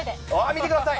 見てください。